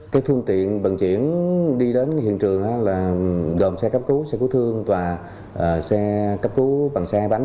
cái phương tiện vận chuyển đi đến hiện trường là gồm xe cấp cứu xe cứu thương và xe cấp cứu bằng xe hai bánh